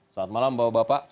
selamat malam bapak bapak